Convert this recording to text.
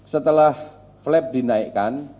setelah flap dinaikkan